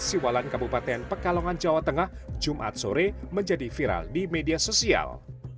siwalan kabupaten pekalongan jawa tengah jumat sore menjadi viral di media sosial